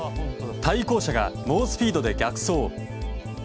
対向車が猛スピードで逆走。